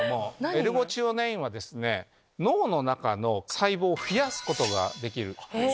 エルゴチオネインは脳の中の細胞を増やすことができる。